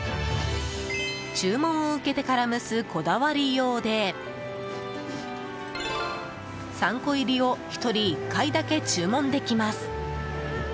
注文を受けてから蒸すこだわりようで３個入りを１人１回だけ注文できます。